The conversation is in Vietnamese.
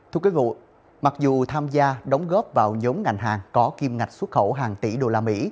thưa quý vị mặc dù tham gia đóng góp vào nhóm ngành hàng có kim ngạch xuất khẩu hàng tỷ usd